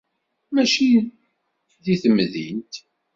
Mačči di temdint.